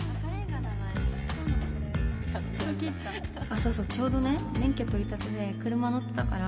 そうそうちょうどね免許取りたてで車乗ってたから。